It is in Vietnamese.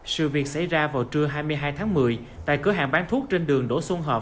sự việc xảy ra vào trưa hai mươi hai tháng một mươi tại cửa hàng bán thuốc trên đường đỗ xuân hợp